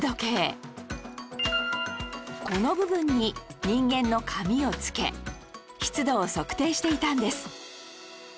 この部分に人間の髪をつけ湿度を測定していたんです